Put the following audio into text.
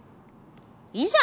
いいじゃん！